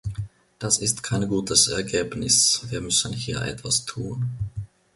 Das ist kein gutes Ergebnis, wir müssen hier etwas tun.